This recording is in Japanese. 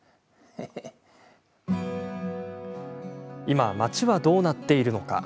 今、町はどうなっているのか。